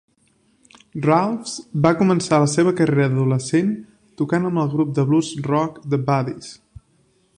Ralphs va començar la seva carrera d'adolescent, tocant amb el grup de blues-rock The Buddies.